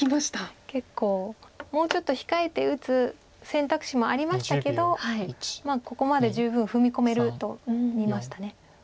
結構もうちょっと控えて打つ選択肢もありましたけどここまで十分踏み込めると見ました。